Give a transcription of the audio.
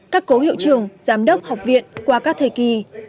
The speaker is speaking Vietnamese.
các cố hiệu trưởng giám đốc học viện qua các thời kỳ